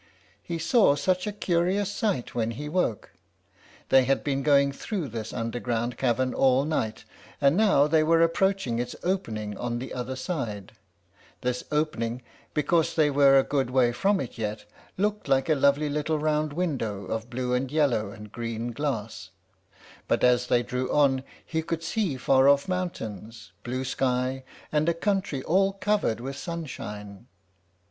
He saw such a curious sight when he woke! They had been going through this underground cavern all night, and now they were approaching its opening on the other side. This opening, because they were a good way from it yet, looked like a lovely little round window of blue and yellow and green glass, but as they drew on he could see far off mountains, blue sky, and a country all covered with sunshine.